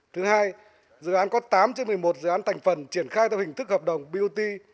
thứ hai dự án có tám trên một mươi một dự án thành phần triển khai theo hình thức hợp đồng bot